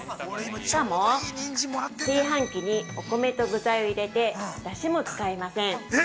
しかも炊飯器にお米と具材を入れて、だしも使いません。